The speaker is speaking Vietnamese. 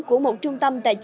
của một trung tâm tài chính